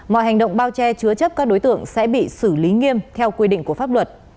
mọi hành động bao che chứa chấp các đối tượng sẽ bị xử lý nghiêm theo quy định của pháp luật